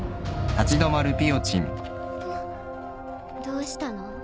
どうしたの？